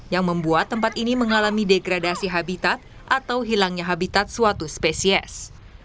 yang membuat tempat ini mengalami degradasi habitat atau hilangnya habitat suatu spesies